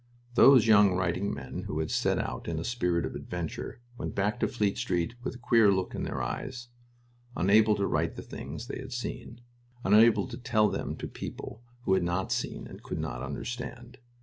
Those young writing men who had set out in a spirit of adventure went back to Fleet Street with a queer look in their eyes, unable to write the things they had seen, unable to tell them to people who had not seen and could not understand.